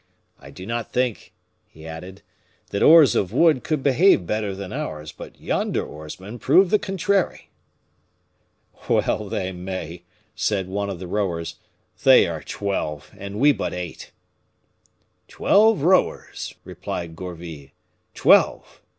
I did not think," he added, "that oars of wood could behave better than ours, but yonder oarsmen prove the contrary." "Well they may," said one of the rowers, "they are twelve, and we but eight." "Twelve rowers!" replied Gourville, "twelve!